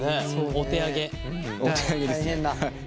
お手上げですね。